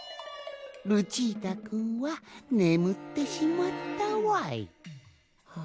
ルチータくんはねむってしまったわい。